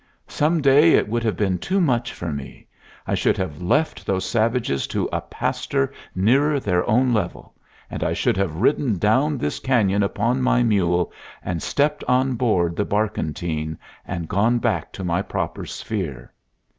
Some day it would have been too much for me. I should have left these savages to a pastor nearer their own level, and I should have ridden down this canyon upon my mule, and stepped on board the barkentine, and gone back to my proper sphere.